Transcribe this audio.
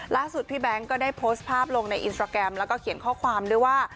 พี่แบงค์ก็ได้โพสต์ภาพลงในอินสตราแกรมแล้วก็เขียนข้อความด้วยว่า